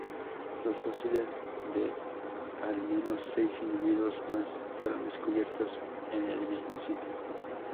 Los fósiles de al menos seis individuos más fueron descubiertos en el mismo sitio.